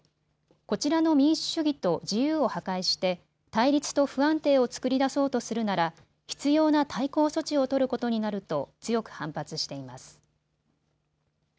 こちらの民主主義と自由を破壊して対立と不安定を作り出そうとするなら必要な対抗措置を取ることになると強く反発しています。